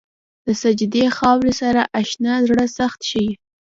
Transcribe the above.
د سجدې خاورې سره اشنا زړه سخت نه شي.